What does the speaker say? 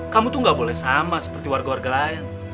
kamu tuh gak boleh sama seperti warga warga lain